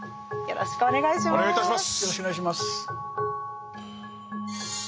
よろしくお願いします。